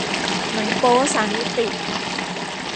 หนังโป๊สามมิติ